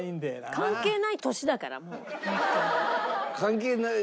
関係ない歳だからもう本当に。